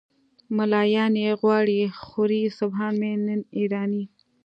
"ملایان یې غواړي خوري سبحان من یرانی".